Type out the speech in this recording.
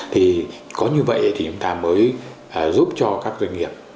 thì có như vậy thì chúng ta mới giúp cho các doanh nghiệp